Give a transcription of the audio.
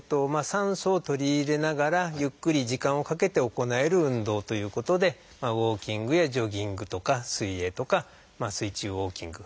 酸素を取り入れながらゆっくり時間をかけて行える運動ということでウォーキングやジョギングとか水泳とか水中ウォーキング。